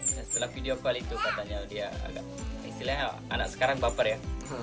nah setelah video call itu katanya dia agak istilahnya anak sekarang baper ya